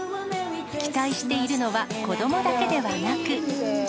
期待しているのは子どもだけではなく。